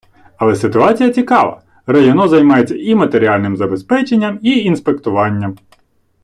Але ситуація цікава: районо займається і матеріальним забезпеченням, і інспектуванням.